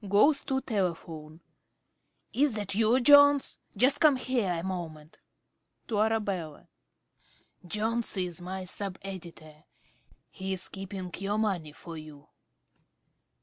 (Goes to telephone.) Is that you, Jones? Just come here a moment. (To Arabella) Jones is my sub editor; he is keeping your money for you.